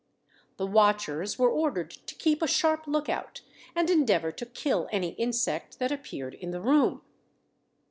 The watchers were ordered to keep a sharp look out, and endeavour to kill any insect that appeared in the room.